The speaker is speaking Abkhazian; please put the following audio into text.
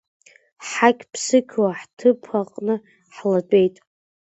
Ҳҳақь-ԥсықьуа ҳҭыԥаҟны ҳлатәеит.